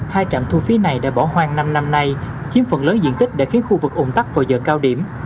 hai trạm thu phí này đã bỏ hoang năm năm nay chiếm phần lớn diện tích đã khiến khu vực ủng tắc vào giờ cao điểm